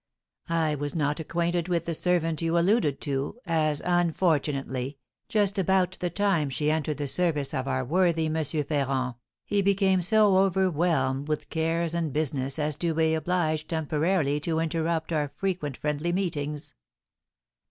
I was not acquainted with the servant you alluded to, as, unfortunately, just about the time she entered the service of our worthy M. Ferrand, he became so overwhelmed with cares and business as to be obliged temporarily to interrupt our frequent friendly meetings."